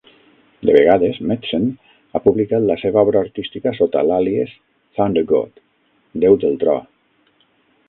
De vegades, Metzen ha publicat la seva obra artística sota l'àlies Thundergod (déu del tro).